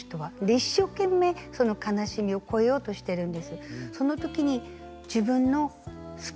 一生懸命その悲しみをこえようとしてるんです。